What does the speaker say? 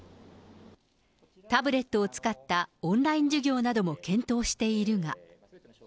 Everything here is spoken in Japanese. タブレットを使ったオンライン授業なども検討しているが。